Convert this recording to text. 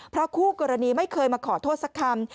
เพราะคู่กรณีไม่เคยมาขอโทษสักคำ